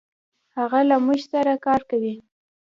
هغه له مونږ سره کار کوي.